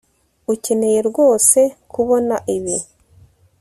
Ukeneye rwose kubona ibi